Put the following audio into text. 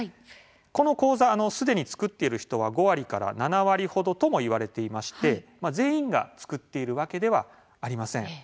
この口座、すでに作っている人は５割から７割程ともいわれていまして全員が作っているわけではありません。